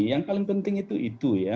yang paling penting itu itu ya